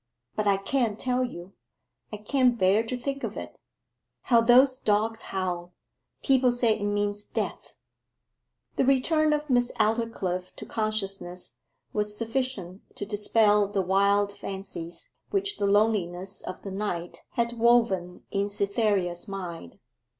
But I can't tell you. I can't bear to think of it. How those dogs howl! People say it means death.' The return of Miss Aldclyffe to consciousness was sufficient to dispel the wild fancies which the loneliness of the night had woven in Cytherea's mind.